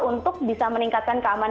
untuk bisa meningkatkan keamanan